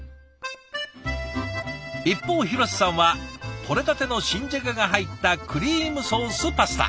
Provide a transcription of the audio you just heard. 一方廣瀬さんはとれたての新じゃがが入ったクリームソースパスタ。